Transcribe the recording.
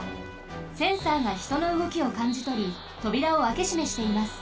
センサーがひとのうごきをかんじとりとびらをあけしめしています。